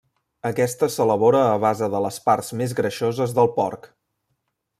Aquesta s'elabora a base de les parts més greixoses del porc.